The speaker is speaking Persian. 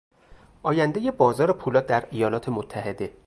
آیندهی بازار پولاد در ایالات متحده